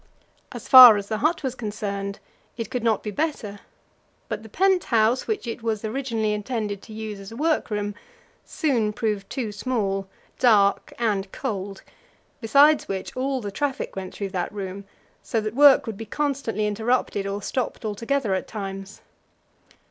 As far as the hut was concerned, it could not be better; but the pent house, which it was originally intended to use as a workroom, soon proved too small, dark, and cold, besides which all the traffic went through that room, so that work would be constantly interrupted or stopped altogether at times.